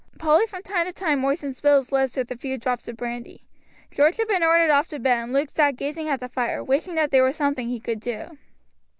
Polly from time to time moistened Bill's lips with a few drops of brandy. George had been ordered off to bed, and Luke sat gazing at the fire, wishing that there was something he could do.